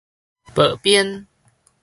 薄鞭